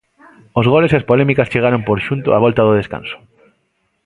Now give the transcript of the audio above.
Os goles e as polémicas chegaron por xunto á volta do descanso.